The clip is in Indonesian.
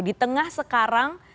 di tengah sekarang